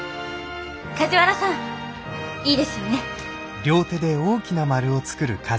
梶原さんいいですよね。